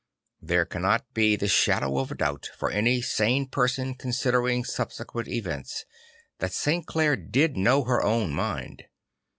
There cannot be the shado\v of a doubt, for any sane person considering subsequent events, that St. Clare did know her own mind.